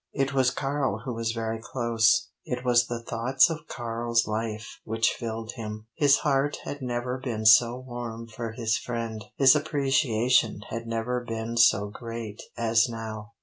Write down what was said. It was Karl who was very close; it was the thoughts of Karl's life which filled him. His heart had never been so warm for his friend, his appreciation had never been so great as now.